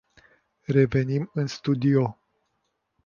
Revenim în studio.